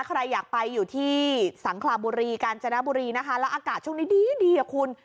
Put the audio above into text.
ใครอยากไปอยู่ที่สังคลาบุรีกาญจนบุรีนะคะแล้วอากาศช่วงนี้ดีดีอ่ะคุณ